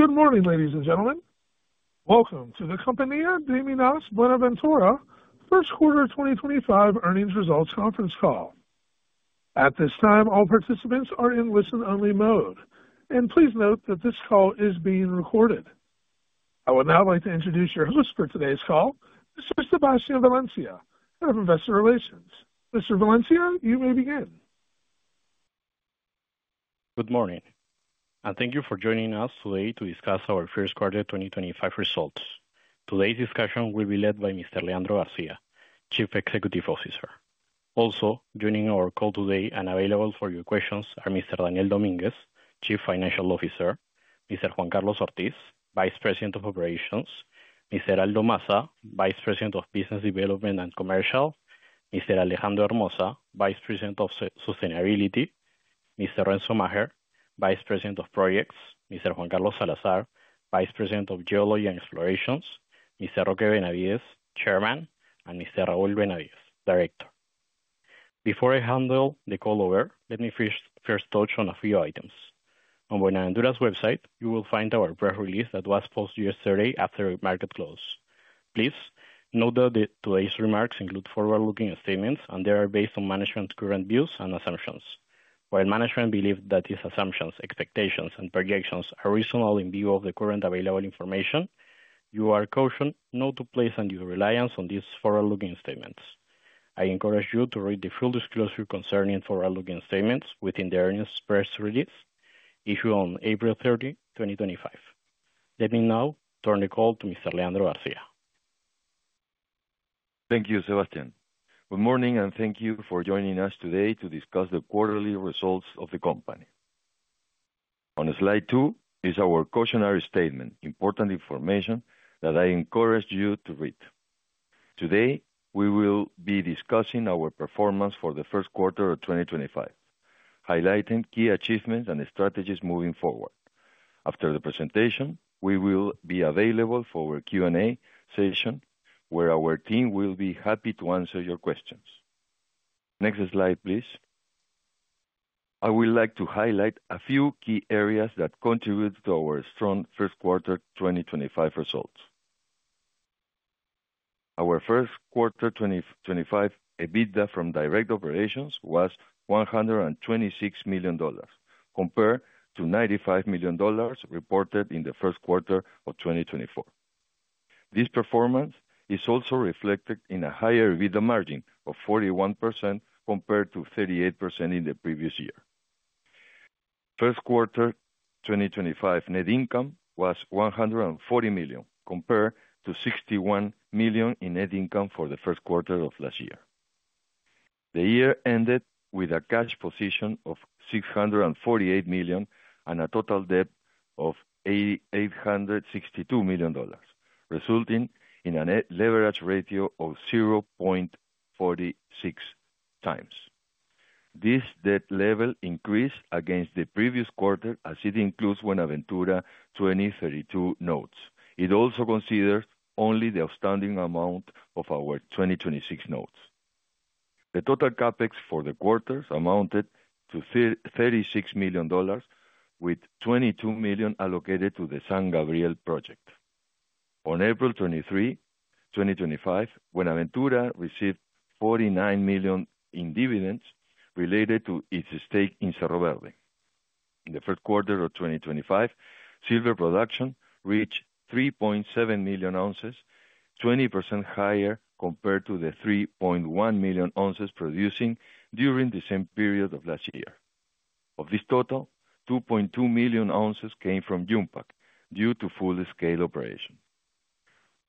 Good morning, ladies and gentlemen. Welcome to the Compañía de Minas Buenaventura First Quarter 2025 Earnings Results Conference Call. At this time, all participants are in listen-only mode, and please note that this call is being recorded. I would now like to introduce your host for today's call, Mr. Sebastián Valencia, Head of Investor Relations. Mr. Valencia, you may begin. Good morning, and thank you for joining us today to discuss our First Quarter 2025 results. Today's discussion will be led by Mr. Leandro García, Chief Executive Officer. Also joining our call today and available for your questions are Mr. Daniel Dominguez, Chief Financial Officer; Mr. Juan Carlos Ortiz, Vice President of Operations; Mr. Aldo Masa, Vice President of Business Development and Commercial; Mr. Alejandro Hermoza, Vice President of Sustainability; Mr. Renzo Macher, Vice President of Projects; Mr. Juan Carlos Salazar, Vice President of Geology and Explorations; Mr. Roque Benavides, Chairman; and Mr. Raúl Benavides, Director. Before I hand the call over, let me first touch on a few items. On Buenaventura's website, you will find our press release that was posted yesterday after market close. Please note that today's remarks include forward-looking statements, and they are based on management's current views and assumptions. While management believes that these assumptions, expectations, and projections are reasonable in view of the current available information, you are cautioned not to place undue reliance on these forward-looking statements. I encourage you to read the full disclosure concerning forward-looking statements within the earnings press release issued on April 30, 2025. Let me now turn the call to Mr. Leandro García. Thank you, Sebastián. Good morning, and thank you for joining us today to discuss the quarterly results of the company. On slide two is our cautionary statement, important information that I encourage you to read. Today, we will be discussing our performance for the first quarter of 2025, highlighting key achievements and strategies moving forward. After the presentation, we will be available for a Q&A session where our team will be happy to answer your questions. Next slide, please. I would like to highlight a few key areas that contribute to our strong first quarter 2025 results. Our first quarter 2025 EBITDA from direct operations was $126 million, compared to $95 million reported in the first quarter of 2024. This performance is also reflected in a higher EBITDA margin of 41% compared to 38% in the previous year. First quarter 2025 net income was $140 million, compared to $61 million in net income for the first quarter of last year. The year ended with a cash position of $648 million and a total debt of $862 million, resulting in a net leverage ratio of 0.46x. This debt level increased against the previous quarter, as it includes Buenaventura 2032 notes. It also considers only the outstanding amount of our 2026 notes. The total CapEx for the quarters amounted to $36 million, with $22 million allocated to the San Gabriel project. On April 23, 2025, Buenaventura received $49 million in dividends related to its stake in Cerro Verde. In the third quarter of 2025, silver production reached 3.7 million ounces, 20% higher compared to the 3.1 million ounces produced during the same period of last year. Of this total, 2.2 million ounces came from Yumpag due to full-scale operation.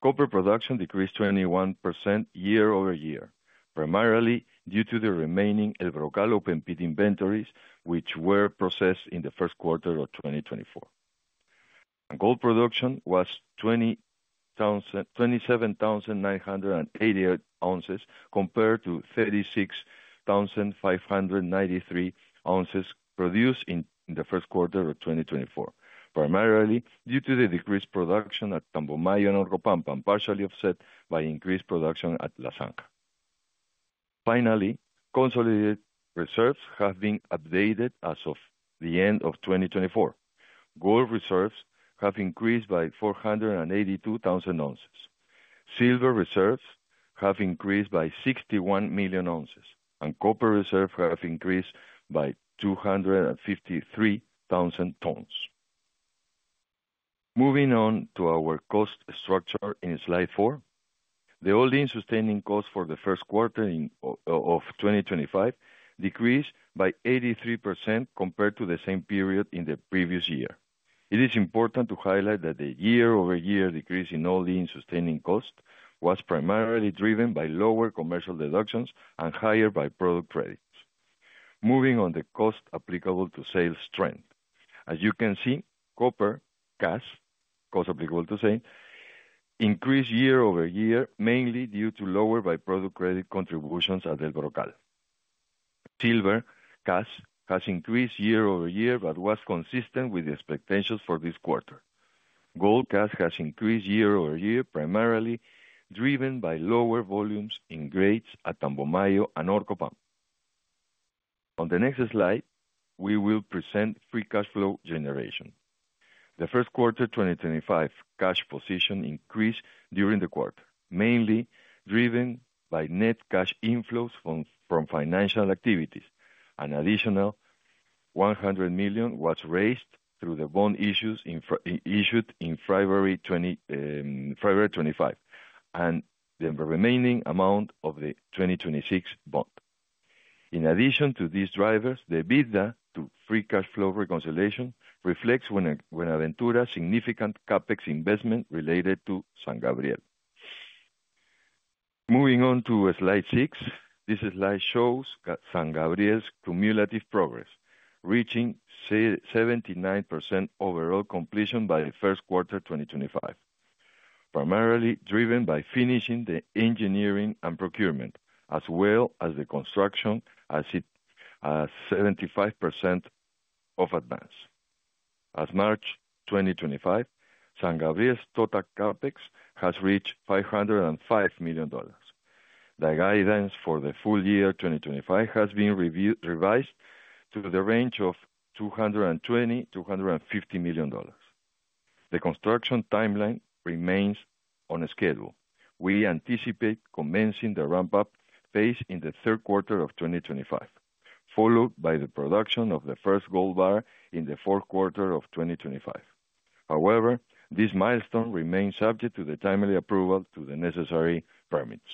Copper production decreased 21% year-over-year, primarily due to the remaining El Brocal open pit inventories, which were processed in the first quarter of 2024. Gold production was 27,988 ounces compared to 36,593 ounces produced in the first quarter of 2024, primarily due to the decreased production at Tambomayo and Orcopampa, partially offset by increased production at La Zanja. Finally, consolidated reserves have been updated as of the end of 2024. Gold reserves have increased by 482,000 oz. Silver reserves have increased by 61 million ounces, and copper reserves have increased by 253,000 tons. Moving on to our cost structure in slide four, the All-in Sustaining Costs for the first quarter of 2025 decreased by 83% compared to the same period in the previous year. It is important to highlight that the year-over-year decrease in holding sustaining costs was primarily driven by lower commercial deductions and higher by-product credits. Moving on to Cost Applicable to Sales trends. As you can see, copper cash Cost Applicable to Sales increased year-over-year mainly due to lower by-product credit contributions at El Brocal. Silver CAS has increased year-over-year, but was consistent with the expectations for this quarter. Gold CAS has increased year-over-year, primarily driven by lower volumes in grades at Tambomayo and Orcopampa. On the next slide, we will present free cash flow generation. The first quarter 2025 cash position increased during the quarter, mainly driven by net cash inflows from financial activities. An additional $100 million was raised through the bond issues issued in February 2025, and the remaining amount of the 2026 bond. In addition to these drivers, the EBITDA to free cash flow reconciliation reflects Buenaventura's significant CapEx investment related to San Gabriel. Moving on to slide six, this slide shows San Gabriel's cumulative progress, reaching 79% overall completion by the first quarter 2025, primarily driven by finishing the engineering and procurement, as well as the construction, as it is 75% of advance. As of March 2025, San Gabriel's total CapEx has reached $505 million. The guidance for the full year 2025 has been revised to the range of $220 million-$250 million. The construction timeline remains on schedule. We anticipate commencing the ramp-up phase in the third quarter of 2025, followed by the production of the first gold bar in the fourth quarter of 2025. However, this milestone remains subject to the timely approval to the necessary permits.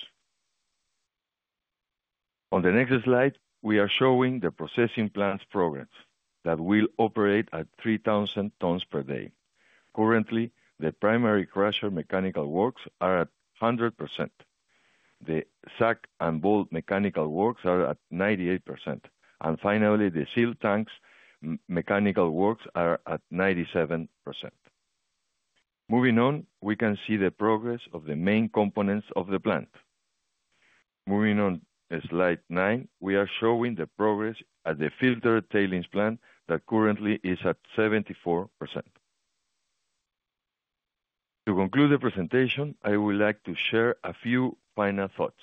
On the next slide, we are showing the processing plant's progress that will operate at 3,000 tons per day. Currently, the primary crusher mechanical works are at 100%. The SAG and ball mechanical works are at 98%. Finally, the CIL tanks mechanical works are at 97%. Moving on, we can see the progress of the main components of the plant. Moving on to slide nine, we are showing the progress at the filtered tailings plant that currently is at 74%. To conclude the presentation, I would like to share a few final thoughts.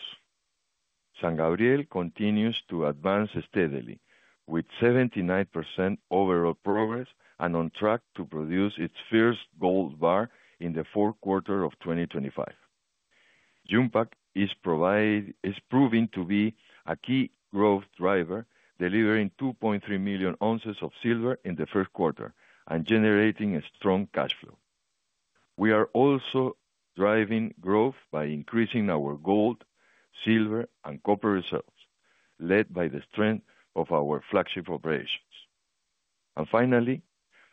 San Gabriel continues to advance steadily, with 79% overall progress and on track to produce its first gold bar in the fourth quarter of 2025. Yumpag is proving to be a key growth driver, delivering 2.3 million ounces of silver in the first quarter and generating a strong cash flow. We are also driving growth by increasing our gold, silver, and copper results, led by the strength of our flagship operations. Finally,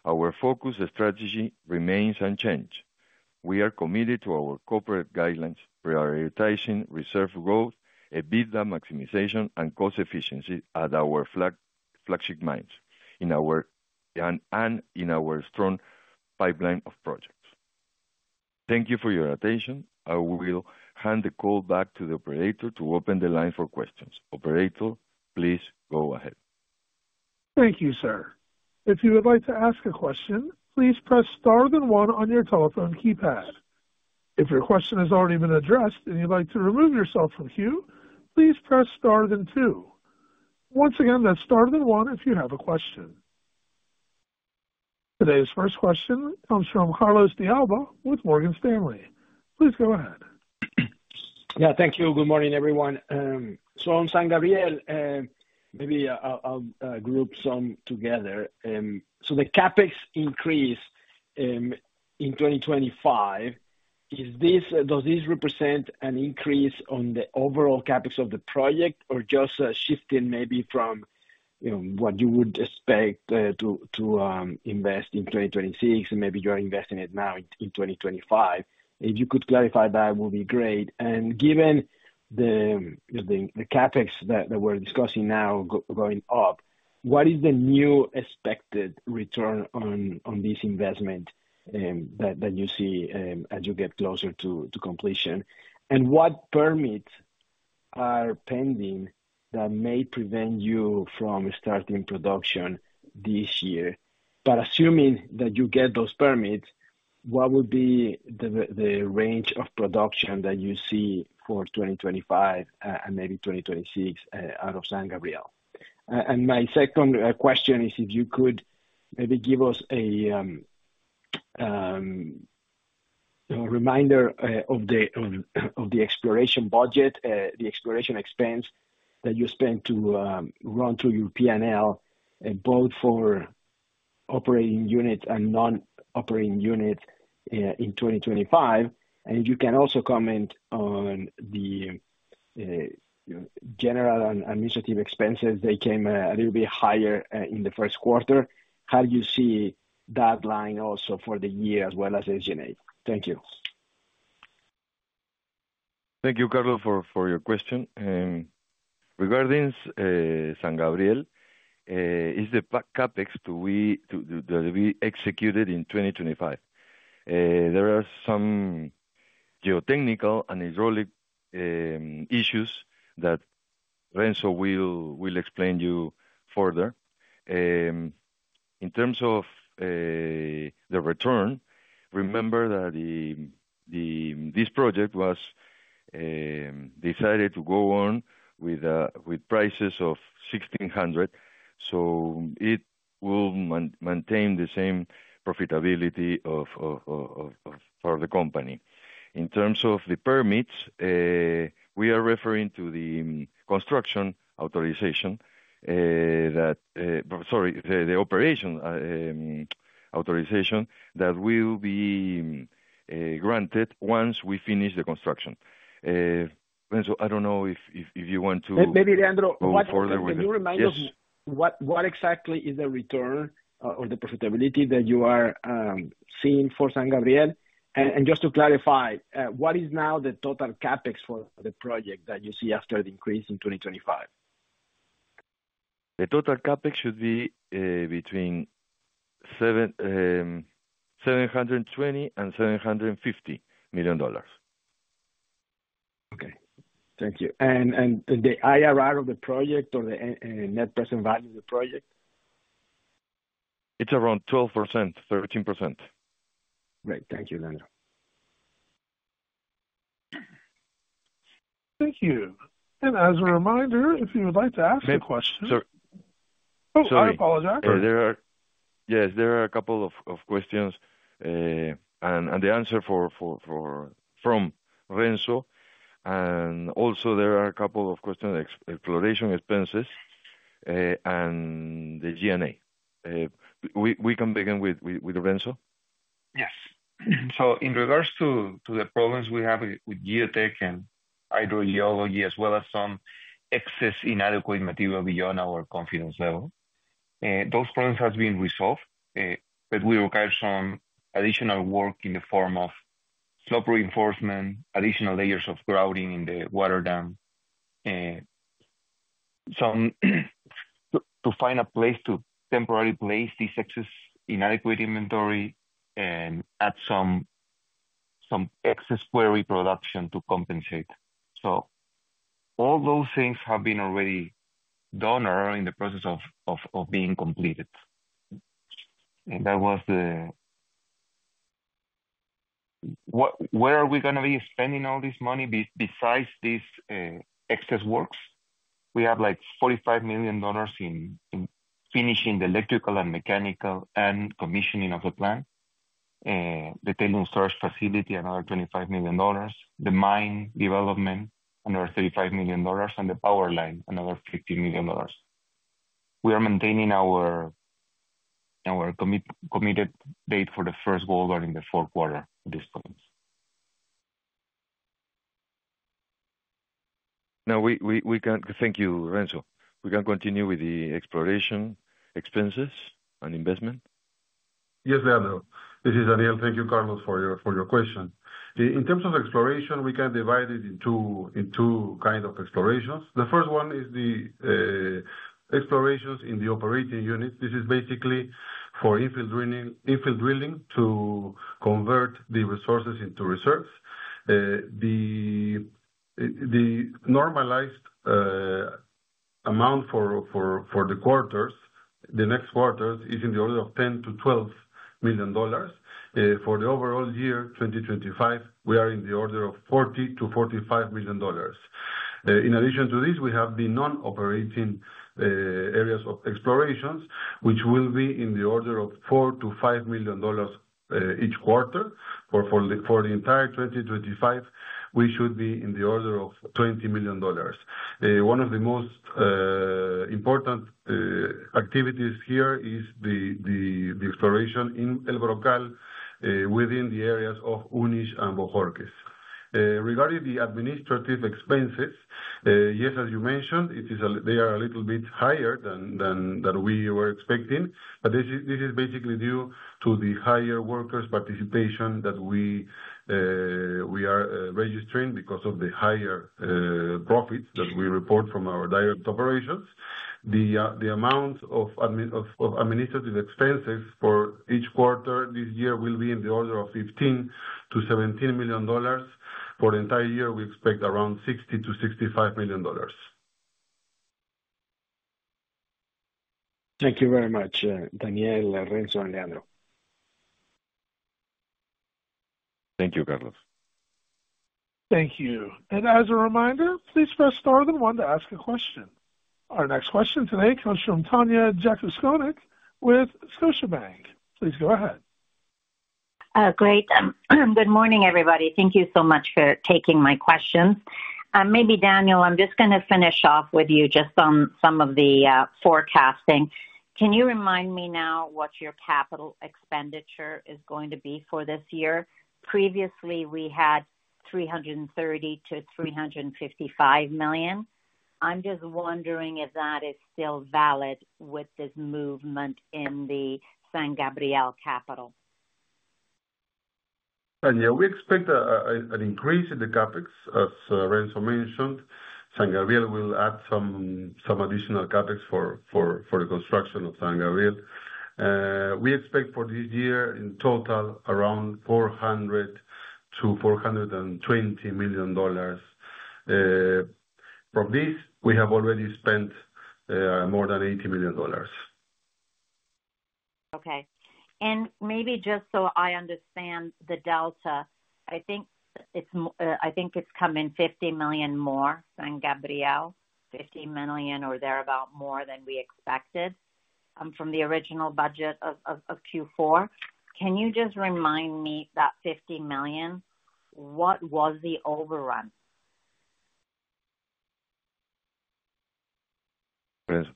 our focused strategy remains unchanged. We are committed to our corporate guidelines, prioritizing reserve growth, EBITDA maximization, and cost efficiency at our flagship mines and in our strong pipeline of projects. Thank you for your attention. I will hand the call back to the Operator to open the line for questions. Operator, please go ahead. Thank you, sir. If you would like to ask a question, please press star then one on your telephone keypad. If your question has already been addressed and you'd like to remove yourself from queue, please press star then two. Once again, that's star then one if you have a question. Today's first question comes from Carlos De Alba with Morgan Stanley. Please go ahead. Yeah, thank you. Good morning, everyone. On San Gabriel, maybe I'll group some together. The CapEx increase in 2025, does this represent an increase on the overall CapEx of the project or just a shifting maybe from what you would expect to invest in 2026 and maybe you are investing it now in 2025? If you could clarify that, it would be great. Given the CapEx that we're discussing now going up, what is the new expected return on this investment that you see as you get closer to completion? What permits are pending that may prevent you from starting production this year? Assuming that you get those permits, what would be the range of production that you see for 2025 and maybe 2026 out of San Gabriel? My second question is if you could maybe give us a reminder of the exploration budget, the exploration expense that you spent to run through your P&L both for operating unit and non-operating unit in 2025. If you can also comment on the general and administrative expenses, they came a little bit higher in the first quarter. How do you see that line also for the year as well as SG&A? Thank you. Thank you, Carlos, for your question. Regarding San Gabriel, is the CapEx to be executed in 2025? There are some geotechnical and hydraulic issues that Renzo will explain to you further. In terms of the return, remember that this project was decided to go on with prices of $1,600. It will maintain the same profitability for the company. In terms of the permits, we are referring to the construction authorization that, sorry, the operation authorization that will be granted once we finish the construction. Renzo, I don't know if you want to. Maybe, Leandro, can you remind us what exactly is the return or the profitability that you are seeing for San Gabriel? Just to clarify, what is now the total CapEx for the project that you see after the increase in 2025? The total CapEx should be between $720 million and $750 million. Okay. Thank you. The IRR of the project or the net present value of the project? It's around 12%-13%. Great. Thank you, Leandro. Thank you. As a reminder, if you would like to ask a question. Sorry. Oh, I apologize. Yes, there are a couple of questions and the answer from Renzo. Also there are also a couple of questions, exploration expenses and the G&A. We can begin with Renzo. Yes. In regards to the problems we have with geotech and hydrogeology, as well as some excess inadequate material beyond our confidence level, those problems have been resolved, but we require some additional work in the form of slope reinforcement, additional layers of grouting in the water dam, to find a place to temporarily place this excess inadequate inventory and add some excess quarry production to compensate. All those things have been already done or are in the process of being completed. That was where we are going to be spending all this money besides these excess works. We have like $45 million in finishing the electrical and mechanical and commissioning of the plant, the tailings storage facility, another $25 million, the mine development, another $35 million, and the power line, another $50 million. We are maintaining our committed date for the first gold bar in the fourth quarter at this point. Now, we can thank you, Renzo. We can continue with the exploration expenses and investment. Yes, Leandro. This is Daniel. Thank you, Carlos, for your question. In terms of exploration, we can divide it into two kinds of explorations. The first one is the explorations in the operating units. This is basically for infill drilling to convert the resources into reserves. The normalized amount for the quarters, the next quarters, is in the order of $10 million-$12 million. For the overall year 2025, we are in the order of $40 million-$45 million. In addition to this, we have the non-operating areas of explorations, which will be in the order of $4 million-$5 million each quarter. For the entire 2025, we should be in the order of $20 million. One of the most important activities here is the exploration in El Brocal within the areas of [Unish and Bojorquez]. Regarding the administrative expenses, yes, as you mentioned, they are a little bit higher than we were expecting. This is basically due to the higher workers' participation that we are registering because of the higher profits that we report from our direct operations. The amount of administrative expenses for each quarter this year will be in the order of $15 million-$17 million. For the entire year, we expect around $60 million-$65 million. Thank you very much, Daniel, Renzo, and Leandro. Thank you, Carlos. Thank you. As a reminder, please press star then one to ask a question. Our next question today comes from Tanya Jakusconek with Scotiabank. Please go ahead. Great. Good morning, everybody. Thank you so much for taking my questions. Maybe, Daniel, I'm just going to finish off with you just on some of the forecasting. Can you remind me now what your capital expenditure is going to be for this year? Previously, we had $330 million-$355 million. I'm just wondering if that is still valid with this movement in the San Gabriel capital. Daniel, we expect an increase in the CapEx, as Renzo mentioned. San Gabriel will add some additional CapEx for the construction of San Gabriel. We expect for this year, in total, around $400 million-$420 million. From this, we have already spent more than $80 million. Okay. Maybe just so I understand the delta, I think it's coming $50 million more, San Gabriel, $50 million or thereabout more than we expected from the original budget of Q4. Can you just remind me that $50 million, what was the overrun? Renzo.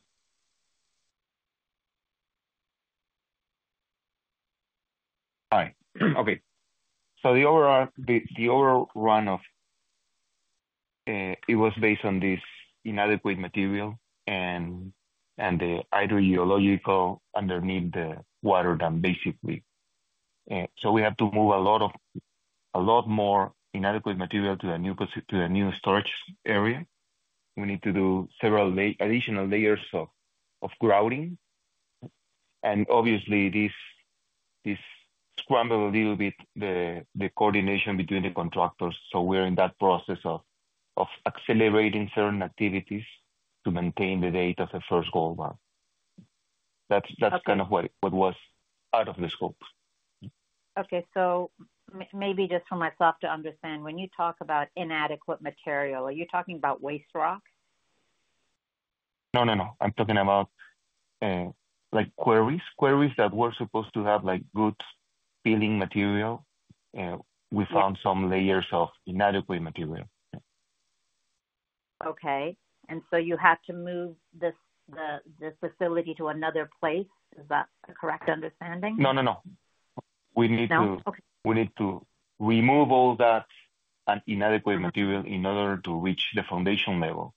Hi. Okay. The overrun of it was based on this inadequate material and the hydrogeological underneath the water dam, basically. We have to move a lot more inadequate material to a new storage area. We need to do several additional layers of grouting. Obviously, this scrambled a little bit the coordination between the contractors. We are in that process of accelerating certain activities to maintain the date of the first gold bar. That is kind of what was out of the scope. Okay. Maybe just for myself to understand, when you talk about inadequate material, are you talking about waste rock? No, no, no. I'm talking about quarries, quarries that were supposed to have good filling material. We found some layers of inadequate material. Okay. You have to move the facility to another place. Is that a correct understanding? No, no, no. We need to remove all that inadequate material in order to reach the foundation level.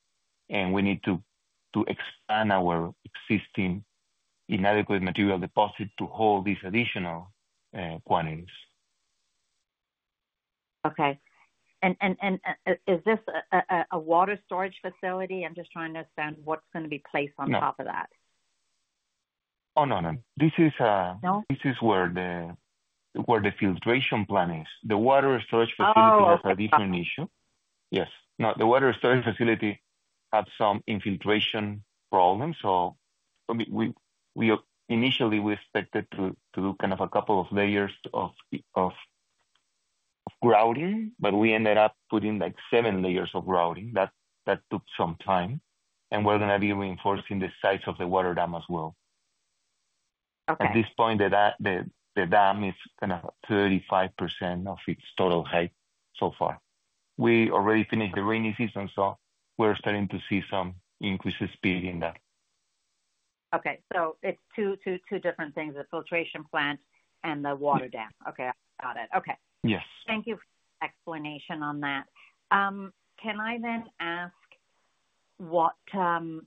We need to expand our existing inadequate material deposit to hold these additional quantities. Okay. Is this a water storage facility? I'm just trying to understand what's going to be placed on top of that. Oh, no, no. This is where the filtration plant is. The water storage facility has a different issue. Yes. No, the water storage facility had some infiltration problems. Initially, we expected to do kind of a couple of layers of grouting, but we ended up putting like seven layers of grouting. That took some time. We are going to be reinforcing the sides of the water dam as well. At this point, the dam is kind of 35% of its total height so far. We already finished the rainy season, so we are starting to see some increased speed in that. Okay. It is two different things, the filtration plant and the water dam. Okay. Got it. Okay. Yes. Thank you for the explanation on that. Can I then ask what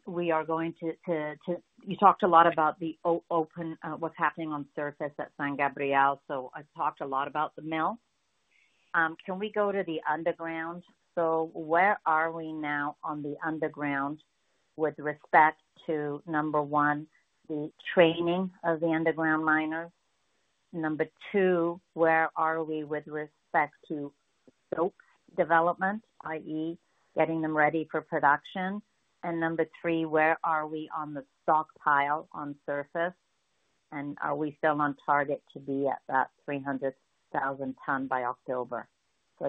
we are going to—you talked a lot about what's happening on the surface at San Gabriel. I talked a lot about the mill. Can we go to the underground? Where are we now on the underground with respect to, number one, the training of the underground miners? Number two, where are we with respect to stope development, i.e., getting them ready for production? Number three, where are we on the stockpile on surface? Are we still on target to be at that 300,000 tons by October?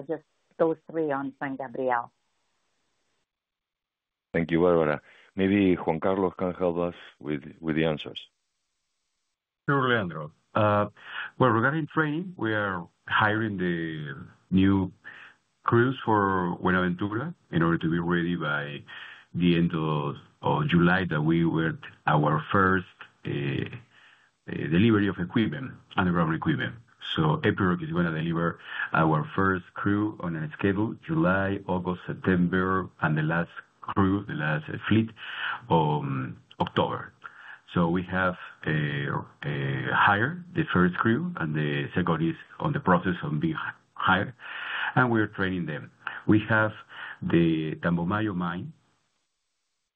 Just those three on San Gabriel. Thank you. Maybe Juan Carlos can help us with the answers. Sure, Leandro. Regarding training, we are hiring the new crews for Buenaventura in order to be ready by the end of July that we were our first delivery of equipment, underground equipment. Epiroc is going to deliver our first crew on a schedule, July, August, September, and the last crew, the last fleet, October. We have hired the first crew, and the second is in the process of being hired. We are training them. We have the Tambomayo mine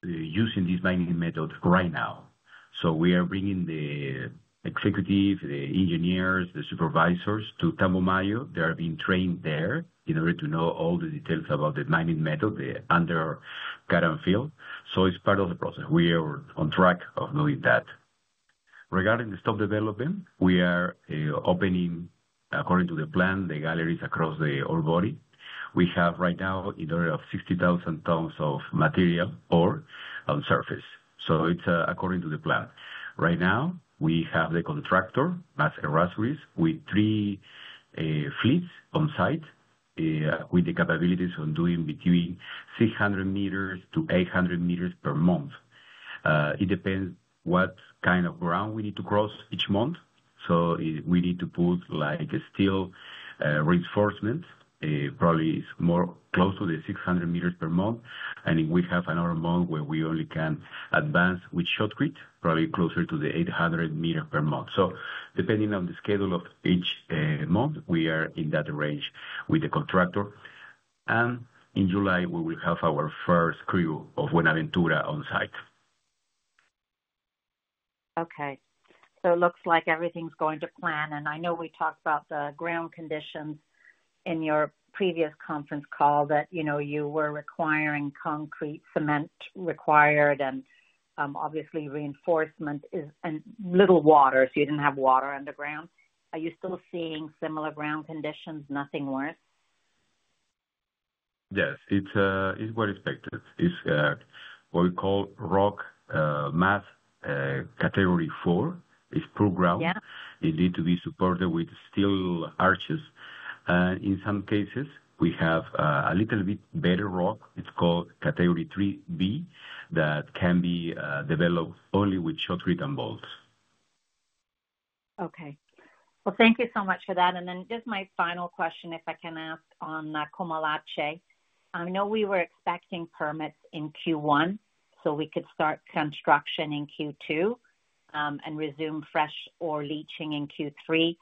using this mining method right now. We are bringing the executives, the engineers, the supervisors to Tambomayo. They are being trained there in order to know all the details about the mining method, the underground field. It is part of the process. We are on track of doing that. Regarding the stope development, we are opening, according to the plan, the galleries across the ore body. We have right now, in order of 60,000 tons of material ore on surface. It is according to the plan. Right now, we have the contractor, Mas Errázuriz, with three fleets on site with the capabilities of doing between 600 meters-800 meters per month. It depends what kind of ground we need to cross each month. If we need to put like a steel reinforcement, probably more close to the 600 meters per month. We have another month where we only can advance with shotcrete, probably closer to the 800 meters per month. Depending on the schedule of each month, we are in that range with the contractor. In July, we will have our first crew of Buenaventura on site. Okay. It looks like everything's going to plan. I know we talked about the ground conditions in your previous conference call that you were requiring concrete cement required. Obviously, reinforcement is little water, so you didn't have water underground. Are you still seeing similar ground conditions, nothing worse? Yes. It's what expected. It's what we call Rock Mass Category 4. It's poor ground. It needs to be supported with steel arches. In some cases, we have a little bit better rock. It's called Category 3B that can be developed only with shotcrete and bolts. Okay. Thank you so much for that. Just my final question, if I can ask on Coimolache. I know we were expecting permits in Q1, so we could start construction in Q2 and resume fresh or leaching in Q3.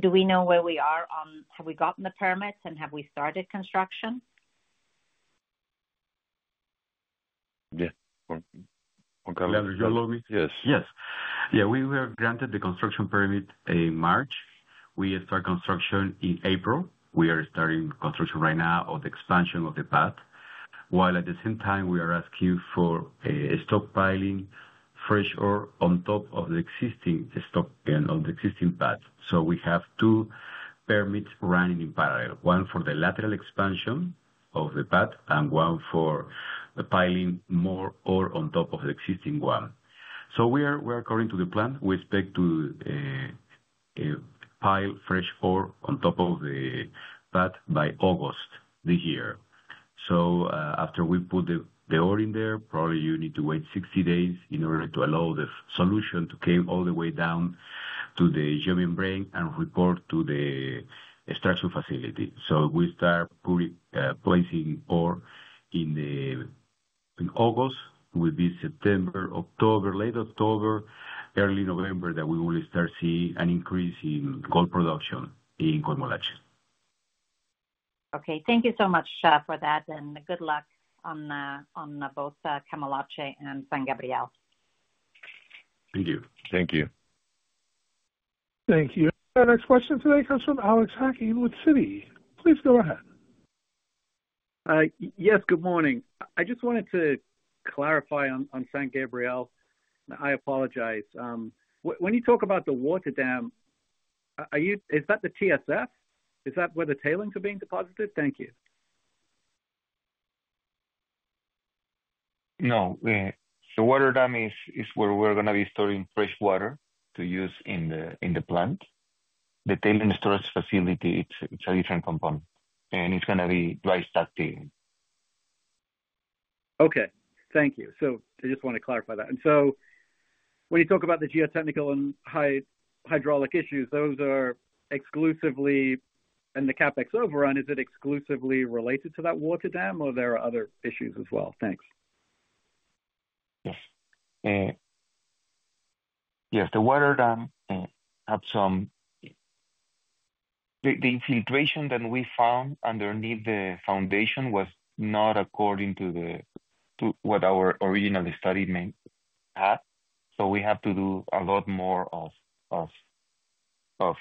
Do we know where we are on have we gotten the permits and have we started construction? Yeah. Juan Carlos? Leandro, would you allow me? Yes. Yes. Yeah. We were granted the construction permit in March. We started construction in April. We are starting construction right now of the expansion of the pad. At the same time, we are asking for stockpiling fresh ore on top of the existing stock and on the existing pad. We have two permits running in parallel, one for the lateral expansion of the pad and one for piling more ore on top of the existing one. We are according to the plan. We expect to pile fresh ore on top of the pad by August this year. After we put the ore in there, probably you need to wait 60 days in order to allow the solution to come all the way down to the leach drain and report to the extraction facility. We start placing ore in August. It will be September, October, late October, early November that we will start seeing an increase in gold production in Coimolache. Okay. Thank you so much for that. Good luck on both Coimolache and San Gabriel. Thank you. Thank you. Thank you. Our next question today comes from Alex Hacking with Citi. Please go ahead. Yes. Good morning. I just wanted to clarify on San Gabriel. I apologize. When you talk about the water dam, is that the TSF? Is that where the tailings are being deposited? Thank you. No. The water dam is where we're going to be storing fresh water to use in the plant. The tailings storage facility, it's a different component. It's going to be dry stack tailings. Okay. Thank you. I just want to clarify that. When you talk about the geotechnical and hydraulic issues, are those exclusively, and the CapEx overrun, is it exclusively related to that water dam or are there other issues as well? Thanks. Yes. Yes. The water dam had some infiltration that we found underneath the foundation was not according to what our original study had. So we have to do a lot more of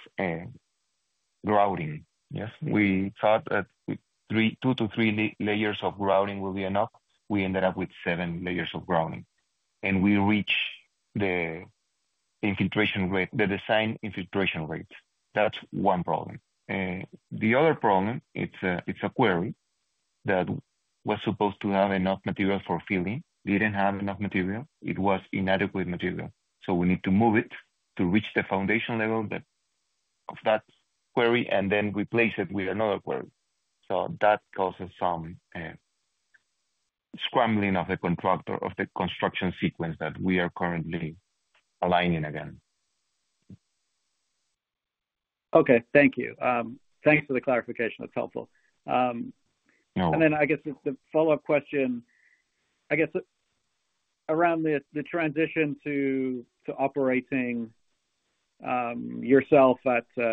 grouting. Yes. We thought that two to three layers of grouting will be enough. We ended up with seven layers of grouting. And we reached the design infiltration rate. That's one problem. The other problem, it's a quarry that was supposed to have enough material for filling. Didn't have enough material. It was inadequate material. So we need to move it to reach the foundation level of that quarry and then replace it with another quarry. That causes some scrambling of the construction sequence that we are currently aligning again. Okay. Thank you. Thanks for the clarification. That's helpful. I guess the follow-up question, I guess, around the transition to operating yourself at Uchucchacua,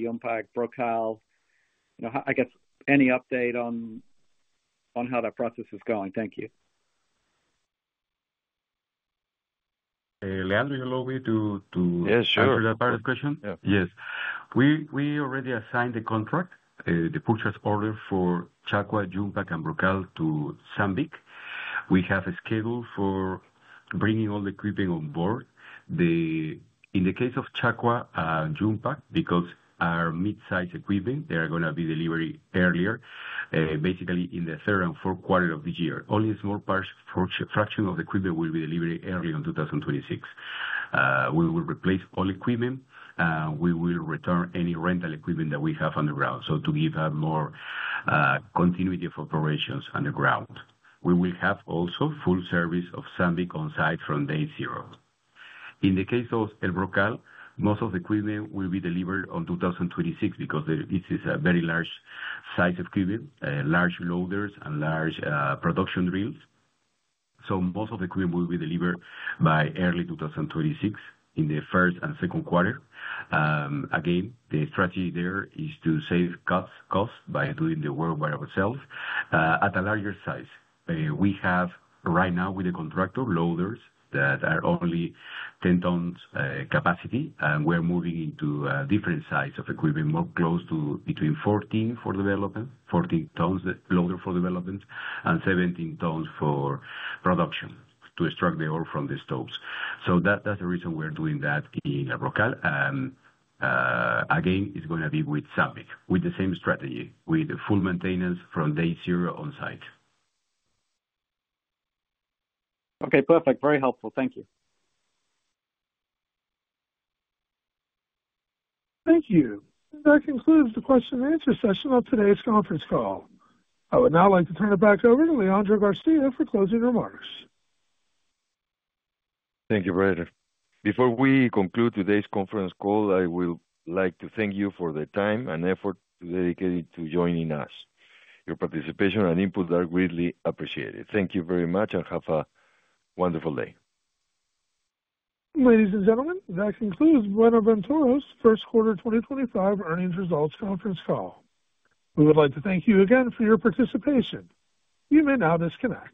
Yumpag, Brocal, I guess, any update on how that process is going? Thank you. Leandro, allow me to answer that part of the question? Yes. Yes. We already assigned the contract, the purchase order for Chacua, Yumpag, and Brocal to Sandvik. We have a schedule for bringing all the equipment on board. In the case of Chacua and Yumpag, because our mid-size equipment, they are going to be delivered earlier, basically in the third and fourth quarter of this year. Only a small fraction of the equipment will be delivered early in 2026. We will replace all equipment, and we will return any rental equipment that we have underground. To give more continuity of operations underground. We will have also full service of Sandvik on site from day zero. In the case of El Brocal, most of the equipment will be delivered in 2026 because this is a very large size of equipment, large loaders and large production drills. Most of the equipment will be delivered by early 2026 in the first and second quarter. Again, the strategy there is to save costs by doing the work by ourselves at a larger size. We have right now with the contractor loaders that are only 10 tons capacity. We are moving into a different size of equipment, more close to between 14 for development, 14 tons loader for development, and 17 tons for production to extract the ore from the stopes. That is the reason we are doing that in El Brocal. Again, it is going to be with Sandvik, with the same strategy, with full maintenance from day zero on site. Okay. Perfect. Very helpful. Thank you. Thank you. That concludes the question-and-answer session of today's conference call. I would now like to turn it back over to Leandro García for closing remarks. Thank you, Operator. Before we conclude today's conference call, I would like to thank you for the time and effort you dedicated to joining us. Your participation and input are greatly appreciated. Thank you very much and have a wonderful day. Ladies and gentlemen, that concludes Buenaventura's first quarter 2025 earnings results conference call. We would like to thank you again for your participation. You may now disconnect.